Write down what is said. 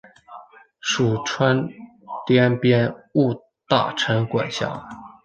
属川滇边务大臣管辖。